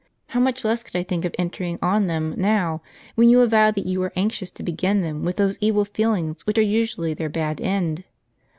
How much less could I think of entering on them now, when you avow that you are anxious to begin them with those evil feelings which are usually their bad end